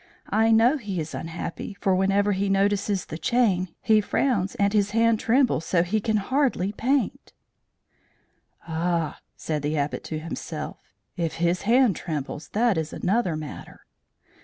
I know he is unhappy, for whenever he notices the chain, he frowns and his hand trembles so he can hardly paint!" "Ah," said the Abbot to himself, "if his hand trembles, that is another matter."